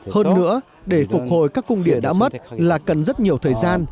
hơn nữa để phục hồi các cung điện đã mất là cần rất nhiều thời gian